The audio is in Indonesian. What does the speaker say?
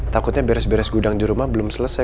takutnya beres beres gudang di rumah belum selesai